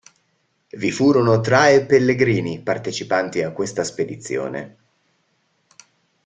Vi furono tra e pellegrini partecipanti a questa spedizione.